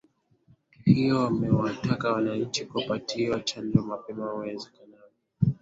hiyo wamewataka wananchi kupatiwa chanjo mapema uwezeka